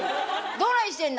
どないしてんな」。